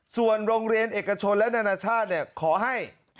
ส่วนโรงเรียนเอกชนและนานาชาติขอให้